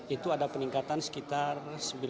itu ada peningkatan sekitar